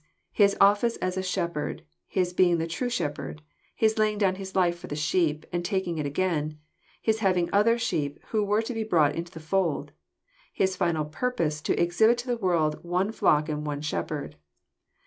His office as a Shepherd, His being the true Shepherd, His laying down His life for the sheep, and taking it again, His hav ing other sheep who were to be brought into the fold, His final purpose to exhibit to the world one flock and one Shepherd.